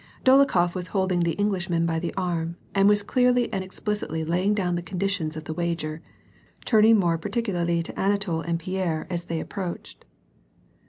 Dolokhof was holding the Englishman by the arm, and was clearly and explicitly lay ing down the conditions of the wager, turning more particu larly to Anatol and Pierre, as they approached.